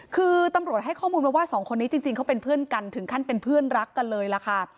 คือตำรวจให้ข้อมูลมาว่าสองคนนี้จริงเขาเป็นเพื่อนกันถึงขั้นเป็นเพื่อนรักกันเลยล่ะค่ะ